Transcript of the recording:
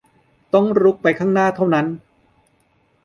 ต้องรุกไปข้างหน้าเท่านั้น